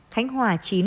khánh hòa chín